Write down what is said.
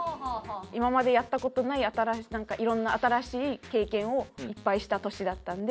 今までやった事ないいろんな新しい経験をいっぱいした年だったんで。